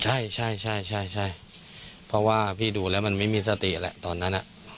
ใช่ใช่ใช่เพราะว่าพี่ดูแล้วมันไม่มีสติแหละตอนนั้น